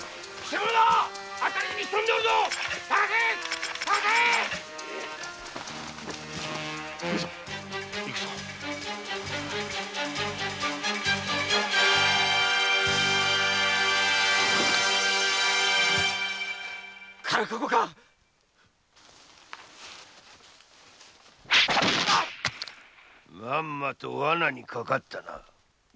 まんまとワナにかかったな。